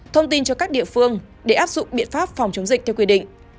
thông tin cho các địa phương để áp dụng biện pháp phòng chống dịch theo quy định